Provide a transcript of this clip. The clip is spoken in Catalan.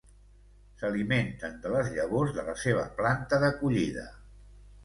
S'alimenten de les llavors de la seva planta d'acollida.